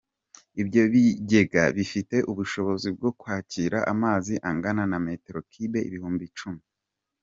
Ibyo bigega bifite ubushobozi bwo kwakira amazi angana na metero kibe ibihumbi icumi.